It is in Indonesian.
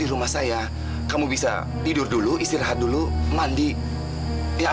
ya nanti kita kembali lagi bagaimana